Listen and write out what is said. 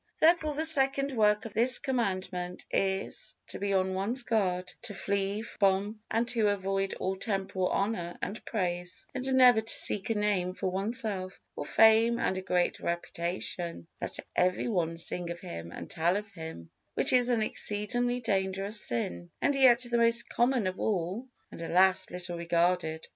Therefore the second work of this Commandment is, to be on one's guard, to flee from and to avoid all temporal honor and praise, and never to seek a name for oneself, or fame and a great reputation, that every one sing of him and tell of him; which is an exceedingly dangerous sin, and yet the most common of all, and, alas! little regarded.